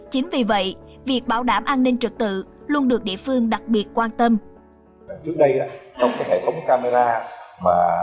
chính vì vậy việc bảo đảm an ninh trật tự luôn được địa phương đặc biệt quan tâm